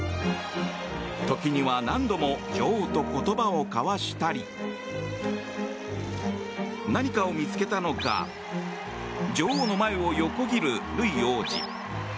時には何度も女王と言葉を交わしたり何かを見つけたのか女王の前を横切る、ルイ王子。